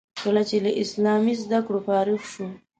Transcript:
کله چې له اسلامي زده کړو فارغ شو.